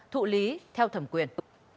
thụ lý theo thẩm quyền